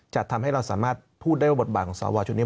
จะทำให้เราสามารถพูดได้ว่าบทบาทของสวชุดนี้